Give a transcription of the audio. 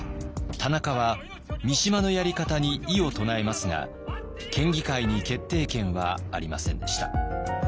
田中は三島のやり方に異を唱えますが県議会に決定権はありませんでした。